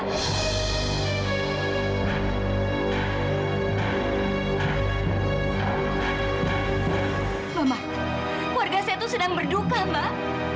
mbak marta keluarga saya tuh sedang berduka mbak